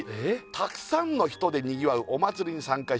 「たくさんの人でにぎわうお祭りに参加して」